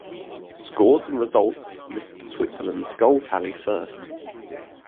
"Scores and results list Switzerland's goal tally first"